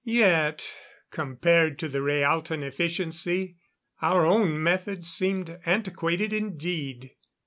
Yet, compared to the Rhaalton efficiency, our own methods seemed antiquated indeed.